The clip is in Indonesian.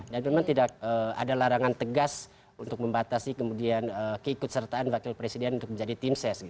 dan memang tidak ada larangan tegas untuk membatasi kemudian keikutsertaan wakil presiden untuk menjadi tim sukses